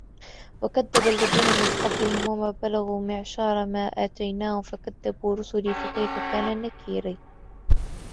وَكَذَّبَ الَّذِينَ مِنْ قَبْلِهِمْ وَمَا بَلَغُوا مِعْشَارَ مَا آتَيْنَاهُمْ فَكَذَّبُوا رُسُلِي فَكَيْفَ كَانَ نَكِيرِ